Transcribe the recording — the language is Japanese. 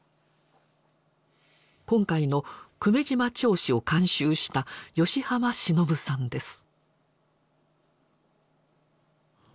今回の「久米島町史」を監修した吉浜忍さんです。